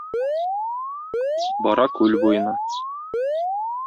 Бара күл буена.